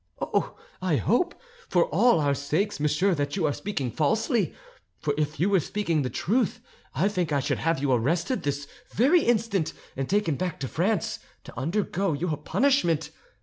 Oh, I hope, for all our sakes, monsieur, that you are speaking falsely; for if you were speaking the truth I think I should have you arrested this very instant and taken back to France to undergo your punishment.